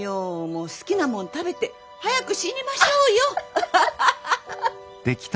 もう好きなもの食べて早く死にましょうよ。